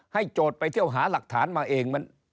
โจทย์ไปเที่ยวหาหลักฐานมาเอง